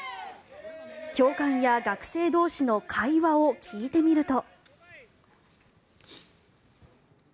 教官や学生同士の会話を聞いてみると。